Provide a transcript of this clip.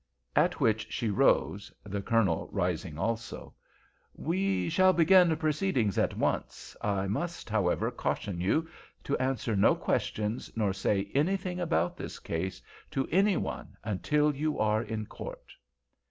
At which she rose, the Colonel rising also. "We—shall begin proceedings at once. I must, however, caution you to answer no questions nor say anything about this case to any one until you are in court."